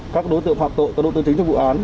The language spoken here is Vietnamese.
các đối tượng hoạt tội các đối tượng chính trong vụ án